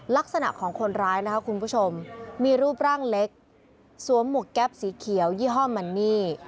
ลักษณะของคนร้ายนะคะคุณผู้ชมมีรูปร่างเล็กสวมหมวกแก๊ปสีเขียวยี่ห้อมันนี่